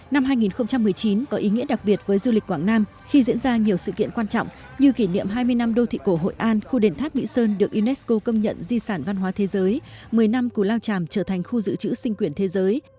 năm hai nghìn một mươi chín có ý nghĩa đặc biệt với du lịch quảng nam khi diễn ra nhiều sự kiện quan trọng như kỷ niệm hai mươi năm đô thị cổ hội an khu đền tháp mỹ sơn được unesco công nhận di sản văn hóa thế giới một mươi năm củ lao tràm trở thành khu dự trữ sinh quyển thế giới